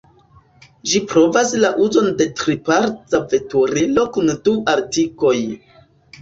Ĝi provas la uzon de triparta veturilo kun du artikoj.